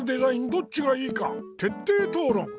どっちがいいかてっていとうろん！